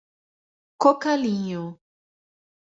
Cocalinho